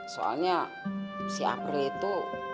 soalnya si april itu